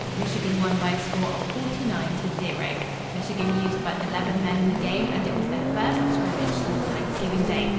Michigan won by a score of 49 to 0. Michigan used but eleven men in the game, and it was their first scrimmage since Thanksgiving Day.